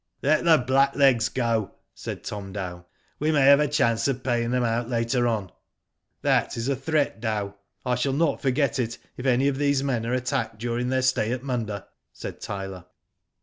Let the blacklegs go/' said Tom Dow, " we may have a chance of paying them out later on/' "That is a threat, Dow. I shall not forget it if any of these men are attacked during their stay at Munda,'' said Tyler.